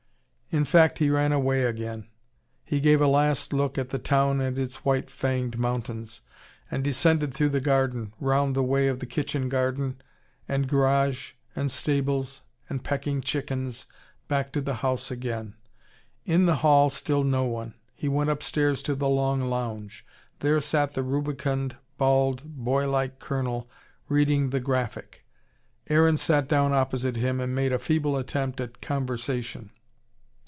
In fact he ran away again. He gave a last look at the town and its white fanged mountains, and descended through the garden, round the way of the kitchen garden and garage and stables and pecking chickens, back to the house again. In the hall still no one. He went upstairs to the long lounge. There sat the rubicund, bald, boy like Colonel reading the Graphic. Aaron sat down opposite him, and made a feeble attempt at conversation.